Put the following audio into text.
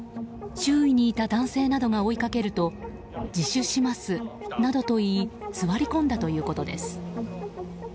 周囲にいた男性などが追いかけると自首しますなどと言い座り込んだということです。